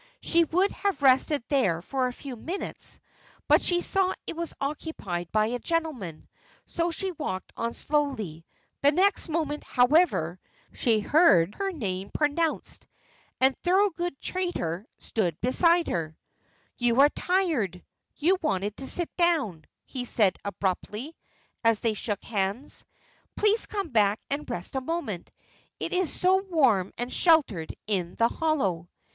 She would have rested there for a few minutes, but she saw it was occupied by a gentleman, so she walked on slowly. The next moment, however, she heard her name pronounced, and Thorold Chaytor stood beside her. "You are tired. You wanted to sit down," he said, abruptly, as they shook hands. "Please come back and rest a moment. It is so warm and sheltered in the hollow."